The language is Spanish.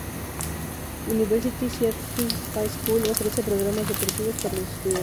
University City High School ofrece programas deportivos para los estudiantes.